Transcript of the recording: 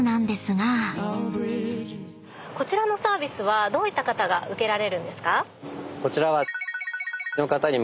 こちらのサービスはどういった方が受けられるんですか？